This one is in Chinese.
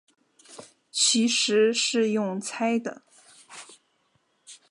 其实是用猜的